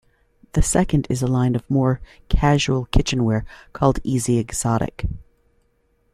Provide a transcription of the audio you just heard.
The second is a line of more casual kitchenware called Easy Exotic.